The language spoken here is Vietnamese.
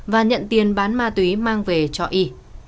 và nhận tiền bán ma túy mang về cho y